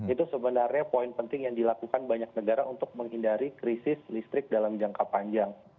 itu sebenarnya poin penting yang dilakukan banyak negara untuk menghindari krisis listrik dalam jangka panjang